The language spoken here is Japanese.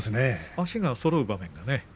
足がそろう場面がね。